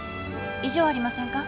異常ありませんか？